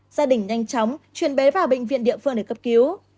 gia đình nhanh chóng chuyển bé vào bệnh viện địa phương để cấp cứu